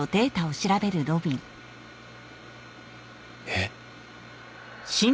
えっ？